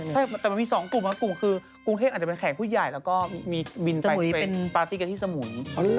ใช่แต่มันมี๒กลุ่มครับกลุ่มคือกรุงเทพอาจจะเป็นแขกผู้ใหญ่แล้วก็มีบินสมุยเป็นปาร์ตี้กันที่สมุย